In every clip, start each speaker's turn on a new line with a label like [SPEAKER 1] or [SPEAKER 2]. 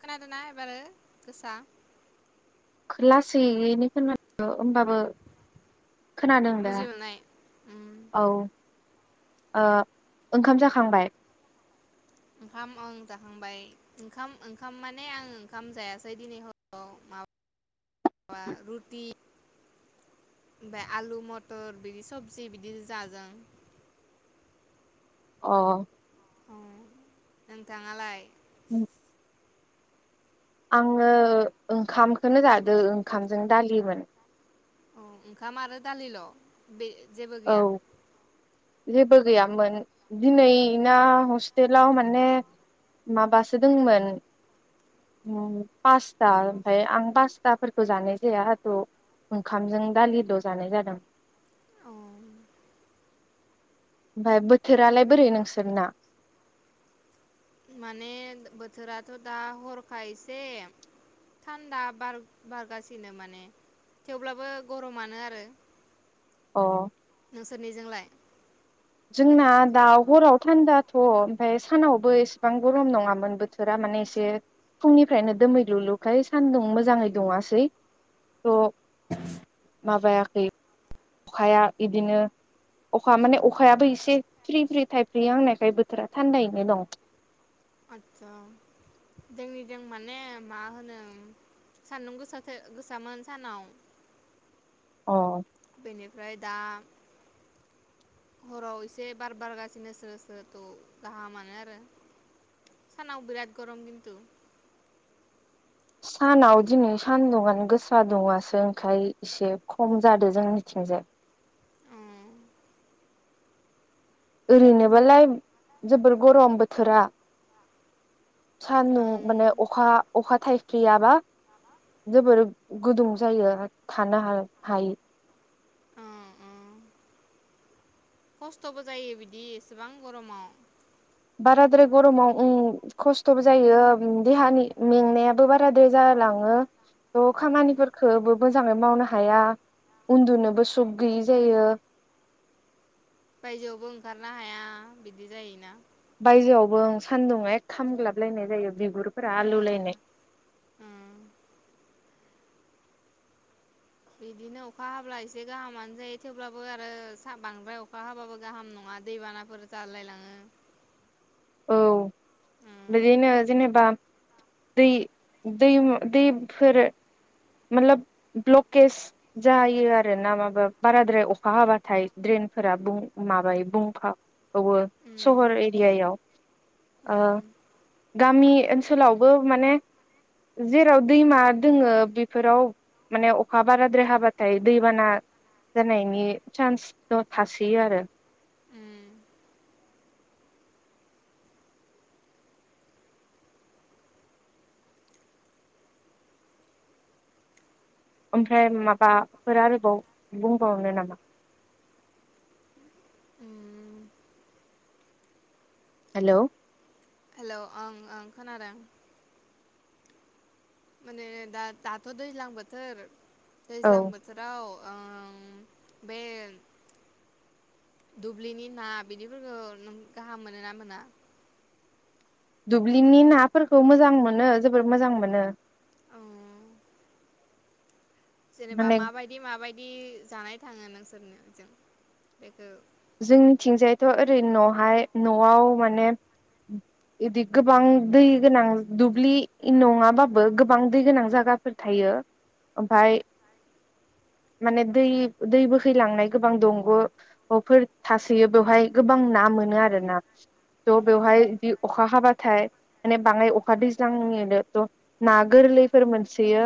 [SPEAKER 1] खोनादोंना एबारो गोसा।
[SPEAKER 2] लासैयैनो खोनादों होमबाबो। खोनादों दा
[SPEAKER 1] बुजि मोननाय उम
[SPEAKER 2] औ। ओ ओंखाम जाखांबाय।
[SPEAKER 1] ओंखाम ओं जाखांबाय ओंखाम ओंखाम माने आं ओंखाम जायासै दिनै हराव माबा। माबा रुटि ओमफ्राय आलु मथर बिदि सबजि बिदि जाजों।
[SPEAKER 2] अ।
[SPEAKER 1] ओं नोंथाङालाय।
[SPEAKER 2] उम। आंङो ओंखामखौनो जादों ओंखामजों दालिमोन।
[SPEAKER 1] औ ओंखाम आरो दालिल बे। जेबो
[SPEAKER 2] औ
[SPEAKER 1] गैया।
[SPEAKER 2] जेबो गैयामोन दिनै ना हस्टेलाव माने माबासो दंमोन पास्ता ओमफ्राय आं पास्ताफोरखौ जानाय जाया थ ओंखामजों दालिल जानाय जादों।
[SPEAKER 1] औ
[SPEAKER 2] ओमफ्राय बोथोरालाय बोरै नोंसोरना।
[SPEAKER 1] माने बोथोराथ दा हरखाय एसे थान्दा बार बारगासिनो माने थेवब्लाबो गरमानो आरो।
[SPEAKER 2] अ
[SPEAKER 1] नोंसोरनिजों लाय।
[SPEAKER 2] जोंना दा हराव थान्दाथ ओमफाय सानावबो एसेबां गरम नङामोन बोथोरा माने एसे फुंनिफ्रायनो दोमैलुलुखाय सानदुं मोजाङै दुङासै थ माबायाखै। अखाया बिदिनो अखा माने अखायाबो एसे फ्रि फ्रि थाइ फ्रि हांनायखाय बोथोरा थान्दायैनो दं।
[SPEAKER 1] आदसा जोंनिजों माने मा होनो सान्दुं गोसा गोसामोन सानाव।
[SPEAKER 2] अ।
[SPEAKER 1] बेनिफ्राय दा हराव एसे बार बारगासिनो स्रो स्रो थ गाहामानो आरो सानाव बिराद गरम खिन्थु।
[SPEAKER 2] सानाव दिनै सानदुंआनो गोसा दुंङासै ओंखायनो इसे खम जादो जोंनिथिंजाय।
[SPEAKER 1] ओं
[SPEAKER 2] ओरैनोबालाय जोबोर गरम बोथोरा सान्दुं
[SPEAKER 1] ओं
[SPEAKER 2] माने अखा अखा थाइफ्रियाबा जोबोर गुदुं जायो थानो हायै।
[SPEAKER 1] ओं ओं खस्थबो जायो बिदि एसेबां गरमाव।
[SPEAKER 2] बाराद्राय गरमाव ओं खस्थबो जायो देहानि मेंनायाबो बाराद्राय जालाङो थ खामानिखोबो मोजाङै मावनो हाया उन्दुनोबो सुख गैयै जायो।
[SPEAKER 1] बायजोआवबो ओंखारनो हाया बिदि जायोना।
[SPEAKER 2] बायजोआवबो आं सान्दुंआ ऐ खामग्लाबलायनाय जायो बिगुरफोरा
[SPEAKER 1] ओं
[SPEAKER 2] आलौलायनाय।
[SPEAKER 1] ओं बिदिनो अखा हाब्ला एसे गाहामानो जायो थेवब्लाबो आरो बांद्राय अखा हाबाबो गाहाम नङा दैबानाफोर जालायलाङो।
[SPEAKER 2] औ।
[SPEAKER 1] उम
[SPEAKER 2] बिदिनो जेनेबा। दै-दैमु-दैफोरो माथलाब ब्लकेज जायो आरोना माबा बाराद्राय अखा हाबाथाय ड्रेनफोरा माबायो बुंफावो
[SPEAKER 1] उम
[SPEAKER 2] सहर एरियायाव
[SPEAKER 1] उम,
[SPEAKER 2] गामि ओनसोलावबो माने जेराव दैमा दोङो बे बेफोराव माने अखा बाराद्राय हाबाथाय दैबाना जानायनि चान्स थासैयो आरो
[SPEAKER 1] उम,
[SPEAKER 2] ओमफ्राय माबाफोर आरोबाव बुंबावनो नामा?
[SPEAKER 1] उम
[SPEAKER 2] हेलौ
[SPEAKER 1] हेलौ ओं ओं खोनादों माने दा-दाथ दैज्लां बोथोर
[SPEAKER 2] औ
[SPEAKER 1] दैज्लां बोथोराव उम बे दुब्लिनि ना बिदिफोरखौ नों गाहाम मोनोना मोना?
[SPEAKER 2] दुब्लिनि नाफोरखौ मोजां मोनो जोबोर मोजां मोनो
[SPEAKER 1] औ जेनेबा
[SPEAKER 2] माने
[SPEAKER 1] माबायदि माबायदि बिदि जानाय थाङो नोंसोरनो जों बेखौ
[SPEAKER 2] जोंनिथिंजायथ ओरै नहाय नआव माने बिदि गोबां दै गोनां दुब्लि नङाबाबो गोबां दै गोनां जायगाफोर थायो ओमफाय माने दै दै बोहैलांनाय गोबां दंग फोर थासोयो बेवहाय गोबां ना मोनो आरो ना थह
[SPEAKER 1] उम
[SPEAKER 2] बेवहाय बिदि अखा हाबाथाय माने बाङाय अखा दैज्लांनिनो थना गोरलैफोर मोनसयो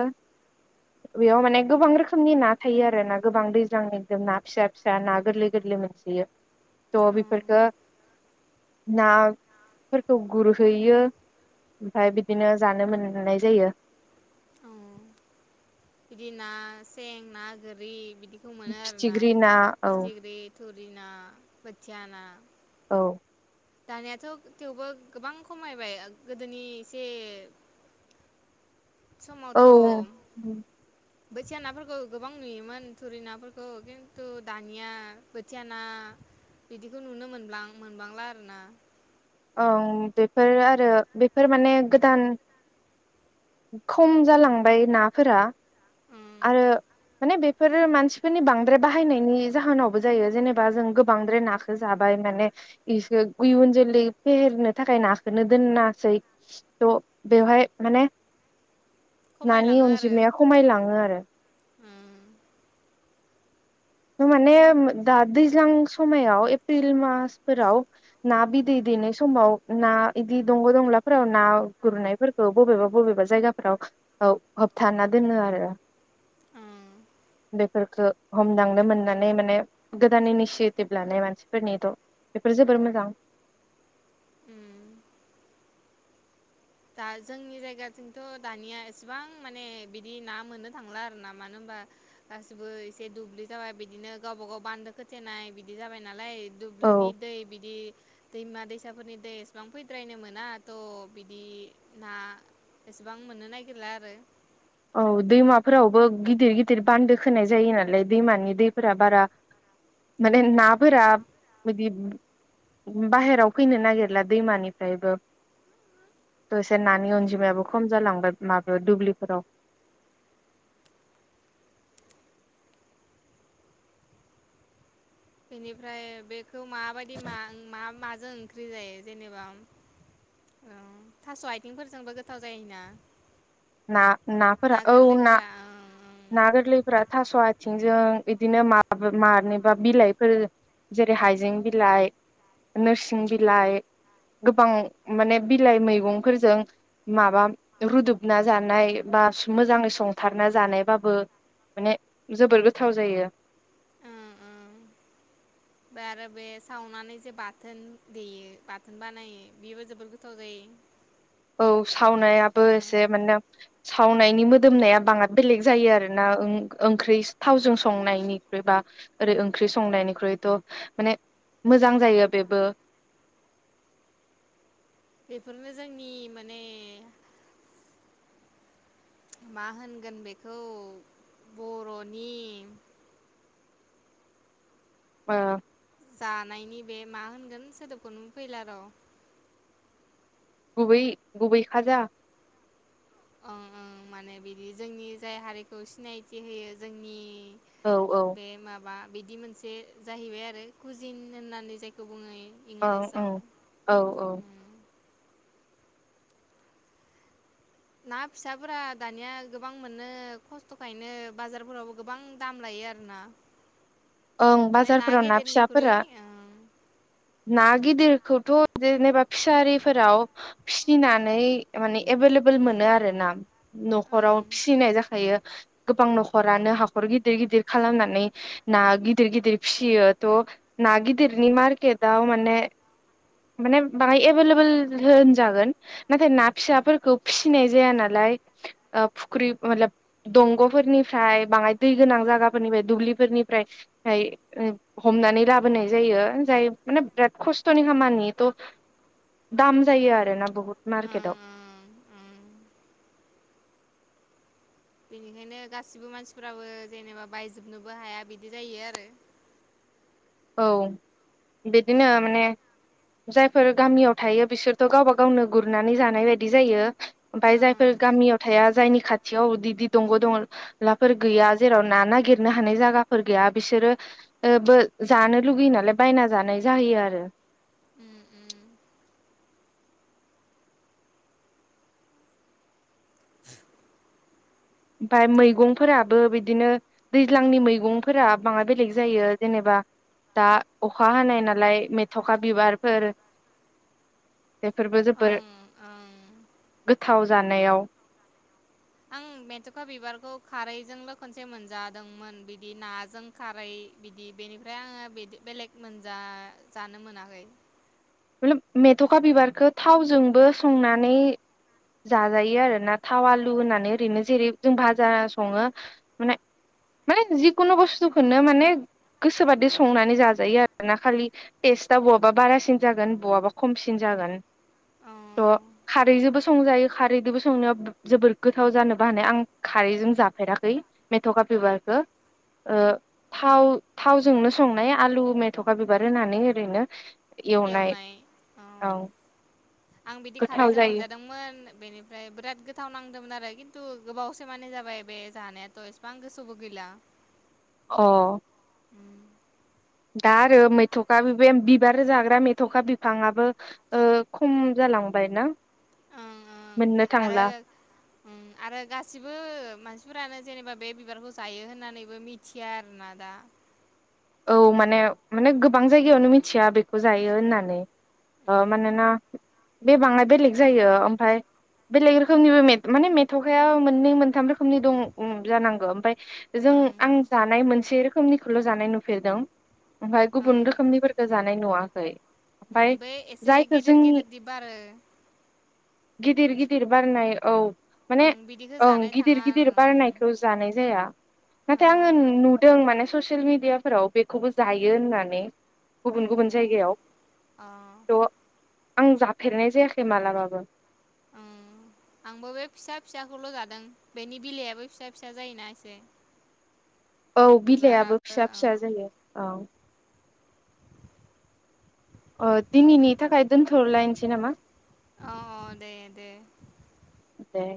[SPEAKER 2] बेयाव माने गोबां रोखोमनि ना थायो आरो ना गोबां दैज्लांनि एकदम ना फिसा फिसा ना गोरलै गोरलै मोनसोयो थ
[SPEAKER 1] औ
[SPEAKER 2] बेफोरफोरखो ना फोरखौ गुरहैयो ओमफफ्राय बिदिनो जानो मोननाय जायो
[SPEAKER 1] औ बिदि ना सें ना गोरि बिद बेखौ मोनो आरो ना
[SPEAKER 2] फिथिख्रि औ
[SPEAKER 1] फिथिख्रि थुरि ना बोथिया ना
[SPEAKER 2] औ
[SPEAKER 1] दानियाथ थेवबो गोबां खमायबाय गोदोनि एसे समावथ
[SPEAKER 2] औ
[SPEAKER 1] बोथिया नाफोरखौ गोबां नुयोमोन थुरि नाफोरखौ खिन्थु दानिया बोथिया ना बिदिखौ नुनो मोनलां मोनबांला आरोना
[SPEAKER 2] ओं बेफोर आरो बेफोर माने गोदान खम जालांबाय नाफोरा
[SPEAKER 1] उम
[SPEAKER 2] आरो माने बेफोर मानसिफोरनि बांद्राय बाहायनायनि जाहोनावबो जायो जेनेबा जों गो बांद्राय नाखौ जाबाय माने इखो इयुन जोलै फेहेरनो थाखाय नाखौनो दोनासै थ बेवहाय माने नानि
[SPEAKER 1] खमायलाङो आरो
[SPEAKER 2] अनजिमाया खमायलाङो आरो
[SPEAKER 1] उम
[SPEAKER 2] माने दा दैज्लां समायाव एप्रिल मासफोराव ना बिदै दैनाय समाव ना इदि दंग दंलाफोराव ना गुरनायफोरखौ बबेबा बबेबा जायगाफोराव होबथाना दोनो आरो
[SPEAKER 1] उम
[SPEAKER 2] बेफोरखौ हमदां नो मोननानै माने गोदान इनिसियेटिभ लानाय मानसिफोरनिथ बेफोर जोबोर मोजां
[SPEAKER 1] उम दा जोंनि जायगाथिंथ दानिया एसेबां माने बिदि ना मोननो थांला आर ना मानो होनबा गासिबो एसे दुब्लि जाबाय बिदिनो गावबा गाव बान्दो खोथेनाय बिदि जाबाय नालाय
[SPEAKER 2] औ
[SPEAKER 1] दुब्लिनि दै बिदि दैमा दै सा फोरनि दै एसेबां फैद्रायनो मोनााथ बि दि ना एसेबां मोननो नागिरला आरो
[SPEAKER 2] औ दैमाफोरावबो गिदिर गिदिर बान्दो खोनाय जायो नालाय दैमानि दैफोरा बारा माने नाफोरा बिदि बाहेराव फैनो नागिरला दैमानिफ्रायबो दसे नानि अनजिमायाबो खम जालांबाय माबायाव दुब्लिफोराव
[SPEAKER 1] बेनिफ्राय बे खौ माबायदि मा मा मा? जों ओंख्रि जायो जेनेबा उम उम थास आइथिंफोरजोंबो गोथाव जायोना?
[SPEAKER 2] ना
[SPEAKER 1] ना
[SPEAKER 2] नाफोरा औ ना
[SPEAKER 1] गोरलैफोरा ओं
[SPEAKER 2] ना गोरलैफोरा थास आ थिंजों इदिनो माबा मानिबा बिलाइफोर जेरै हाइजें बिलाइ, नोरसिं बिलाइ गोबां माने बिलाइ मैगंफोरजों माबा रुदब ना जानाय बा स-मोजाङै संथारना जानायबाबो माने जोबोर गोथाव जायो।
[SPEAKER 1] ओं ओं आरो बे सावनानै जे बाथोन देयो बाथोन बानायो बेबो जोबोर गोथाव जायो।
[SPEAKER 2] औ सावनायाबो
[SPEAKER 1] उम
[SPEAKER 2] एसे माने सावनायनि मोदोमनाया बाङाद बेलेग जायो आरो ना ओं-ओंख्रिस थावजों संनायनिख्रुइ बा ओरै ओंख्रि संनायनिख्रुइथ' माने मोजां जायो बेबो
[SPEAKER 1] बेफोरनो जोंनि माने मा होनगोन बेखौ बर'नि
[SPEAKER 2] ओ
[SPEAKER 1] जानायनि बे मा होनगोन सोदोबखौनो फैला र'
[SPEAKER 2] गुबै गुबै खाजा
[SPEAKER 1] ओं ओं माने बिदि जोंनि जाय हारिखौ सिनायथि होयो जोंनि
[SPEAKER 2] औ औ
[SPEAKER 1] बे माबा बिदि मोनसे जाहैबाय आरो कुजिन होननानै जायखौ बुंयै
[SPEAKER 2] औ औ औ औ।
[SPEAKER 1] उम ना फिसाफोरा दानिया गोबां मोनो खस्थ'खायनो बाजारफोरावबो गोबां दाम लायो आरोना।
[SPEAKER 2] ओं
[SPEAKER 1] माने
[SPEAKER 2] बाजारफोराव ना
[SPEAKER 1] गेदेरनिख्रुइ
[SPEAKER 2] फिसाफोरा
[SPEAKER 1] ओं
[SPEAKER 2] ना गिदिरखौथ' जेनेबा फिसारिफोराव फिसिनानै माने एभेलेबल मोनो आरोना।
[SPEAKER 1] ओं
[SPEAKER 2] न'खराव फिसिनाय जाखायो। गोबां न'खरानो हाखर गिदिर गिदिर खालामनानै ना गिदिर गिदिर फिसियो त' ना गिदिरनि मारकेताव माने माने बाङाय एभेलेबोल होनजागोन नाथाय ना फिसाफोरखौ फिसिनाय जाया नालाय ओ फुख्रि मतलाब दंग'फोरनिफ्राय बाङाय दै गोनां जागाफोरनिफाय दुब्लिफोरनिफ्राय हाय ओं हमनानै लाबोनाय जायो जाय माने बिराद खस्थ'नि खामानि। त' दाम जायो आरोना बहुत
[SPEAKER 1] ओं
[SPEAKER 2] मारकेतआव [inaudible]
[SPEAKER 1] ओं ओं बेनिखायनो गासिबो मानसिफोराबो जेनेबा बायजोबनोबो हाया बिदि जायो आरो।
[SPEAKER 2] औ बेदिनो माने जायफोर गामियाव थायो बिसोरथ' गावबा गावनो गुरनानै जानाय बायदि जायो ओमफाय
[SPEAKER 1] ओं
[SPEAKER 2] जायफोर गामियाव थाया जायनि खाथियाव उदि दि दंग' दं लाफोर गैया जेराव ना नागिरनो हानाय जागाफोर गैया बिसोरो ओ बो जानो लुगैयो नालाय बायना जानाय जाहैयो आरो [inaudible]
[SPEAKER 1] उम उम
[SPEAKER 2] ओमफाय मैगंफोराबो बिदिनो दैज्लांनि मैगंफोरा बाङाय बेलेग जायो जेनेबा दा अखा हानाय नालाय मेथ'खा बिबारफोर [inaudible] बेफोरबो जोबोर
[SPEAKER 1] ओं ओं
[SPEAKER 2] [inaudible] गो थाव जानायाव।
[SPEAKER 1] आं मेथुखा बिबारखौ खारैजोंल' खनसे मोनजादोंमोन बिदि नाजों खारै बिदि बेनिफ्राय आङो बिदि बेलेग मोनजा जानो मोनाखै।
[SPEAKER 2] मतलाब मेथ'खा बिबारखो थावजोंबो संनानै जाजायो आरोना थाव आलु होनानै ओरैनो जेरै जों भाजा सङो माने माने जिखुनु बुस्थुखोनो माने गोसोबादि संनानै जाजायो आरोना खालि टेस्टआ बहाबा बारासिन जागोन बहाबा खमसिन जागोन
[SPEAKER 1] अ
[SPEAKER 2] त' खारैजोबो संजायो खारैदोबो संनायाव बो जोबोद गोथाव जानोबो हानाय आं खारैजों जाफेराखै मेथ'खा बिबारखो ओ थाव थावजोंनो संनाय आलु मेथ'खा बिबार होनानै ओरैनो
[SPEAKER 1] एवनाय औ आं बिदि
[SPEAKER 2] गोथाव
[SPEAKER 1] खारैजों
[SPEAKER 2] जायो
[SPEAKER 1] मोनजादोंमोन बेनिफ्राय बोराद गोथाव नांदोंमोन आरो। किन्तु गोबावसे माने जाबाय बे जानायाथ' इसबां गोसावबो गैला।
[SPEAKER 2] अ
[SPEAKER 1] [unintelligible]
[SPEAKER 2] दा आरो मैथ'खा बि बेम बिबार जाग्रा मेथ'खा बिफाङाबो ओ खम जालांबाय ना?
[SPEAKER 1] ओं
[SPEAKER 2] मोननो
[SPEAKER 1] आरो
[SPEAKER 2] थांला।
[SPEAKER 1] उम आरो गासिबो मानसिफोरानो जेनेबा बे बिबारखौ जायो होननानैबो मिथिया आरोना दा।
[SPEAKER 2] औ माने माने गोबां जायगायावनो मिथिया बेखौ जायो होननानै ओ मानोना बे बाङाय बेलेग जायो ओमफाय बेलेग रोखोमनिबो मे माने मेथ'खाया मोननै मोनथाम रोखोमनि दं ओं जानांगौ ओमफाय जों
[SPEAKER 1] ओं
[SPEAKER 2] आं जानाय मोनसे रोखोमनिखौल' जानाय नु फेरदों ओमफाय
[SPEAKER 1] ओं
[SPEAKER 2] गुबुन रोखोमनिफोरखो जानाय नुवाखै ओमफाय
[SPEAKER 1] बे एसे
[SPEAKER 2] जायखौ
[SPEAKER 1] गेदेर
[SPEAKER 2] जोंनि
[SPEAKER 1] गेदेर दि बारो
[SPEAKER 2] गिदिर गिदिर बारनाय औ। माने
[SPEAKER 1] ओं बिदिखौ
[SPEAKER 2] ओं
[SPEAKER 1] जानाय
[SPEAKER 2] गिदिर
[SPEAKER 1] थाङा
[SPEAKER 2] गिदिर बारनायखौ जानाय जाया
[SPEAKER 1] ओं
[SPEAKER 2] नाथाय आङो नु-नुदों माने ससियेल मिडिया फोराव बेखौबो जायो होननानै गुबुन गुबुन जायगायाव
[SPEAKER 1] औ अ ओं
[SPEAKER 2] त' आं जाफेरनाय जायाखै मालाबाबो।
[SPEAKER 1] उम आंबो बे फिसा फिसाखौल' जादों बेनि बिलाइयाबो फिसा फिसा जायोना एसे।
[SPEAKER 2] औ बिलाइयाबो
[SPEAKER 1] बिबाराबो
[SPEAKER 2] फिसा फिसा
[SPEAKER 1] ओं
[SPEAKER 2] जायो औ। ओ दिनैनि थाखाय दोनथ'लायनोसै नामा।
[SPEAKER 1] अ दे दे
[SPEAKER 2] दे